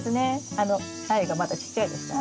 あの苗がまだちっちゃいですからね。